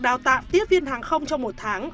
đào tạm tiếp viên hàng không trong một tháng